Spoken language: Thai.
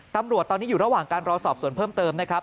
ตำรวจตอนนี้อยู่ระหว่างการรอสอบส่วนเพิ่มเติมนะครับ